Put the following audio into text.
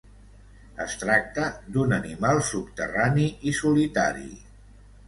Es tracta d'un animal subterrani i solitari.